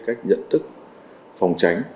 cách nhận thức phòng tránh